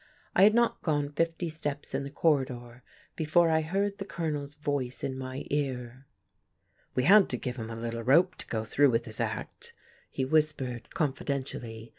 I had not gone fifty steps in the corridor before I heard the Colonel's voice in my ear. "We had to give him a little rope to go through with his act," he whispered confidentially.